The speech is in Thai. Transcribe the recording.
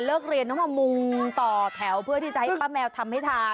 เรียนต้องมามุงต่อแถวเพื่อที่จะให้ป้าแมวทำให้ทาน